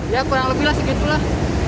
ya kurang lebih lah segitulah